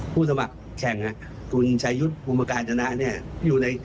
สมัครแข่งคุณชายุทธ์ภูมิการจนะเนี่ยอยู่ใน